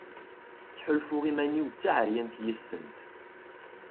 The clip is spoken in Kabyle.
Ttḥulfuɣ iman-iw d taɛeryant yis-sent.